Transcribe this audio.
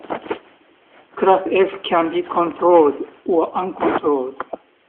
Class F can be controlled or uncontrolled.